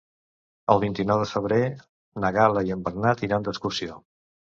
El vint-i-nou de febrer na Gal·la i en Bernat iran d'excursió.